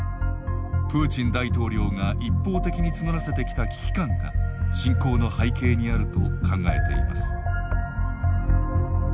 プーチン大統領が一方的に募らせてきた危機感が侵攻の背景にあると考えています。